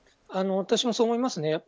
私もそう思いますね。